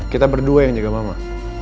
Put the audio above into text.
kita berdua yang jaga mama